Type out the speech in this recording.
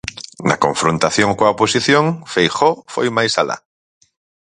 Na confrontación coa oposición, Feijóo foi máis alá.